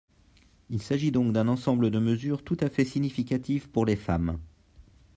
Il s’agit donc d’un ensemble de mesures tout à fait significatives pour les femmes.